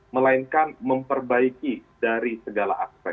melainkan memperbaiki dari segala aspek